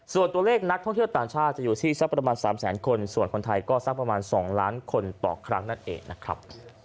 ส่วนตัวเลขนักท่องเที่ยวต่างชาติจะอยู่ที่สักประมาณ๓แสนคนส่วนคนไทยก็สักประมาณ๒ล้านคนต่อครั้งนั่นเองนะครับ